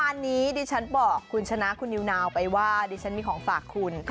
อันนี้ดิฉันบอกคุณชนะคุณนิวนาวไปว่าดิฉันมีของฝากคุณ